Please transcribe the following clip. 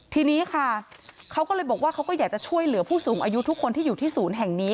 ทีนี้ค่ะเขาก็เลยบอกว่าเขาก็อยากจะช่วยเหลือผู้สูงอายุทุกคนที่อยู่ที่ศูนย์แห่งนี้